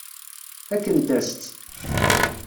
Fakkent-as-tt.